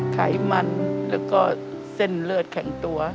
ไขมันแล้วก็เส้นเลือดแข็งตัว